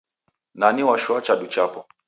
Nani washoa chadu chapo?